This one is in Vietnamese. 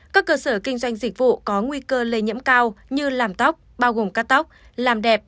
các cơ sở kinh doanh dịch vụ có nguy cơ lây nhiễm cao như làm tóc bao gồm cát tóc làm đẹp